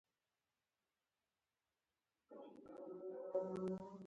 دا خدمتګر د پیرود اجناس تازه کړل.